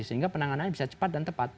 sehingga penanganannya bisa cepat dan tepat